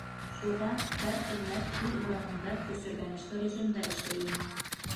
Шуға һәр хеҙмәт үҙ урынында көсөргәнешле режимда эшләй ине.